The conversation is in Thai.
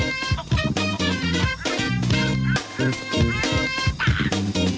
รู้เลยเนี่ย